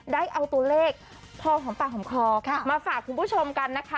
ได้เอาตัวเลขพอหอมปากหอมคอมาฝากคุณผู้ชมกันนะคะ